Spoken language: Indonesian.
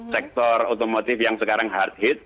sektor otomotif yang sekarang hard hit